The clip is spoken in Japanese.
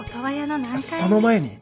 その前に。